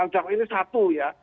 jaksa ini satu ya